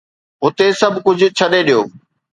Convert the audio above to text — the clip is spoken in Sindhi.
هتي سڀ ڪجهه ڇڏي ڏيو